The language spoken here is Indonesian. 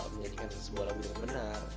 menjadikan sebuah lagu yang benar